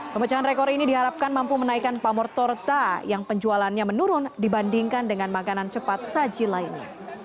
pemecahan rekor ini diharapkan mampu menaikkan pamor torta yang penjualannya menurun dibandingkan dengan makanan cepat saji lainnya